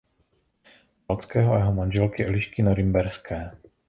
Falckého a jeho manželky Elišky Norimberské.